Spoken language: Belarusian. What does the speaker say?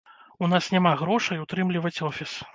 У нас няма грошай утрымліваць офіс.